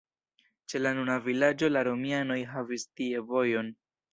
Ĉe la nuna vilaĝo la romianoj havis tie vojon.